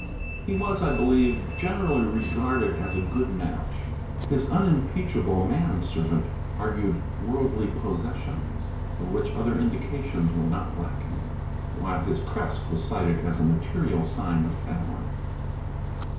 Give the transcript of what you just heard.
He was, I believe, generally regarded as a good match; his unimpeachable man servant argued worldly possessions, of which other indications were not lacking, while his crest was cited as a material sign of family.